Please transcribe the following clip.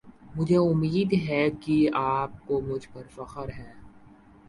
مجھے اُمّید ہے کی اپ کو مجھ پر فخر ہے۔